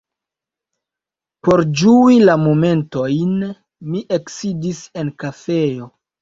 Por ĝui la momentojn mi eksidis en kafejo.